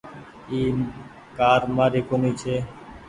اي ڪآر مآري ڪونيٚ ڇي۔